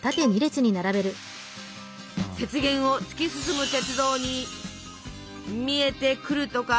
雪原を突き進む鉄道に見えてくるとかこないとか。